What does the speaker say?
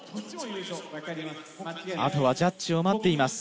あとはジャッジを待っています。